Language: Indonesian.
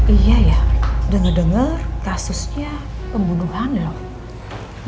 iya ya dengar dengar kasusnya pembunuhan lho